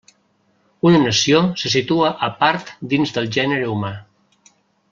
Una nació se situa a part dins del gènere humà.